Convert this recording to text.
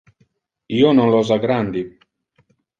Io non los aggrandi.